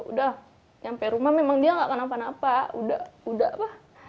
udah sampai rumah memang dia gak kenapa napa